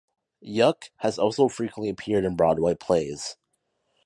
Yuk has also frequently appeared in Broadway plays.